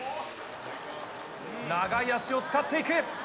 長い脚を使っていく。